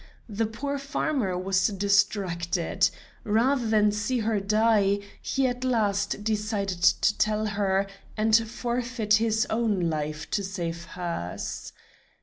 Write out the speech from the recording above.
The poor farmer was distracted. Rather than see her die, he at last decided to tell her, and forfeit his own life to save hers.